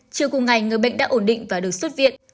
chiều cùng ngày người bệnh đã ổn định và được xuất viện